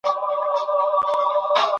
څه ډول کړني د تاوتریخوالي لامل کیږي؟